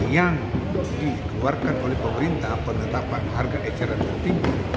yang dikeluarkan oleh pemerintah penetapan harga eceran tertinggi